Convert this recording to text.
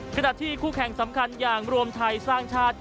ขณะที่คู่แข่งสำคัญอย่างรวมไทยสร้างชาติ